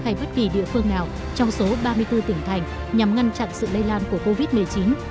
hay bất kỳ địa phương nào trong số ba mươi bốn tỉnh thành nhằm ngăn chặn sự lây lan của covid một mươi chín